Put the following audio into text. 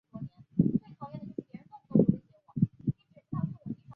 各个不同军队派别最后决定让塔列布出任总理职。